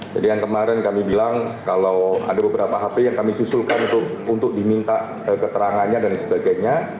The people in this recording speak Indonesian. jadi yang kemarin kami bilang kalau ada beberapa hp yang kami susulkan untuk diminta keterangannya dan sebagainya